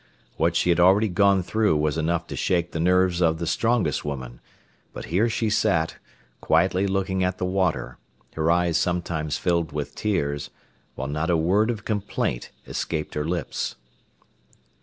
What she had already gone through was enough to shake the nerves of the strongest woman, but here she sat, quietly looking at the water, her eyes sometimes filled with tears, while not a word of complaint escaped her lips.